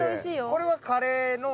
これはカレーの。